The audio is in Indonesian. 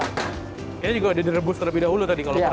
kayaknya juga udah direbus lebih dahulu tadi kalau terang ya